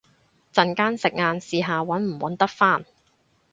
陣間食晏試下搵唔搵得返